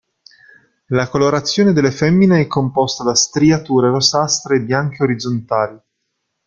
La colorazione delle femmine è composta da striature rossastre e bianche orizzontali.